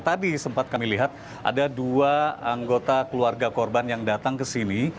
tadi sempat kami lihat ada dua anggota keluarga korban yang datang ke sini